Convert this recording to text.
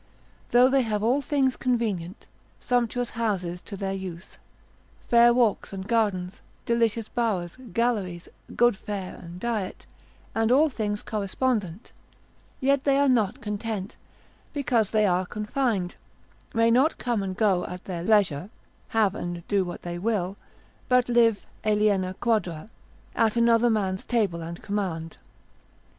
Though they have all things convenient, sumptuous houses to their use, fair walks and gardens, delicious bowers, galleries, good fare and diet, and all things correspondent, yet they are not content, because they are confined, may not come and go at their pleasure, have and do what they will, but live aliena quadra, at another man's table and command.